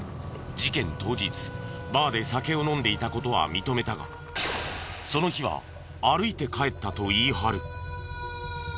事件当日バーで酒を飲んでいた事は認めたがその日は歩いて帰ったと言い張る。